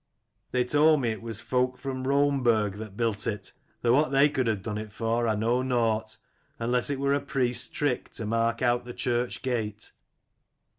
They told me it was folk from 23 Romeburg that built it : though what they could have done it for, I know nought : unless it were a priest's trick to mark out the Church' gate.